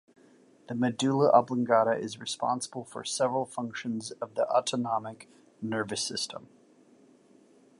The medulla oblongata is responsible for several functions of the autonomic nervous system.